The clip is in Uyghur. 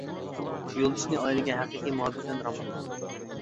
يولدىشىنى ئائىلىگە ھەقىقىي مۇھەببىتى بىلەن رام قىلىدۇ.